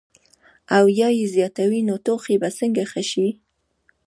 او يا ئې زياتوي نو ټوخی به څنګ ښۀ شي -